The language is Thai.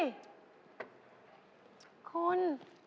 เอคุณ